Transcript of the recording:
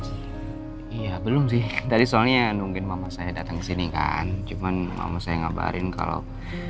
iya belum sih tadi soalnya mungkin mama saya datang ke sini kan cuman mama saya ngabarin kalau